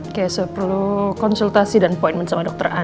oke saya perlu konsultasi dan appointment sama dokter andi ini